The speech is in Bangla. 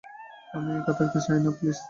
আমি একা থাকতে চাই না, প্লিজ।